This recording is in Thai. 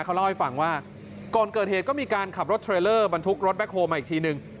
เขาเล่าให้ฟังว่าก่อนเกิดเหตุก็มีการขับรถเทรลเลอร์บรรทุกรถแคคโฮลมาอีกทีนึง